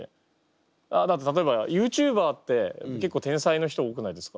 だって例えばＹｏｕＴｕｂｅｒって結構天才の人多くないですか？